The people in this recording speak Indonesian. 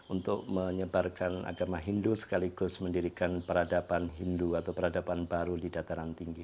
untuk menyebarkan agama hindu sekaligus mendirikan peradaban hindu atau peradaban baru di dataran tinggi